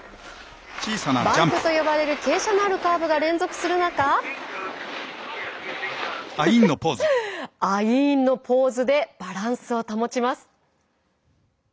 バンクと呼ばれる傾斜のあるカーブが連続する中アイーンのポーズでバランスを保ちます。